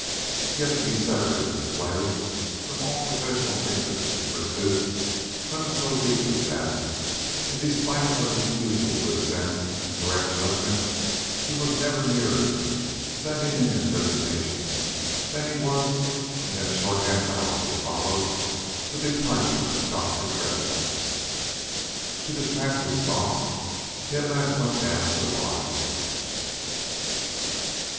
Yet, to be severed in this way from all professional interest in the pursuit cut him so deeply that, in despite of his usual good sense and correct judgment, he was never nearer sending in his resignation than he was in that short half hour which followed the departure of Dr. Tredwell. To distract his thoughts, he at last went down to the bar room.